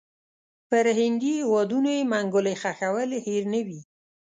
پر هندي هیوادونو یې منګولې ښخول هېر نه وي.